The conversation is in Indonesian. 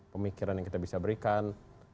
pemikiran yang kita bisa berikan